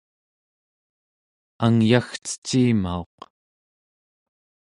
ayagcecimauq